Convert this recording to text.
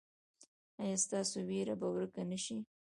ایا ستاسو ویره به ورکه نه شي؟